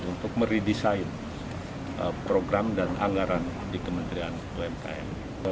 untuk meredesain program dan anggaran di kementerian umkm